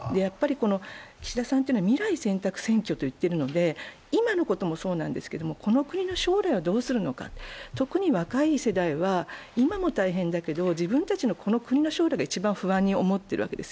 岸田さんは未来選択選挙と言っているので、今のこともそうですが、この国の将来をどうするのか、特に若い世代は今も大変だけど、自分たちのこの国の将来を一番不安に思っているわけです。